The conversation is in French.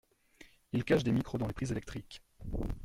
Ils cachent des micros dans les prises électriques.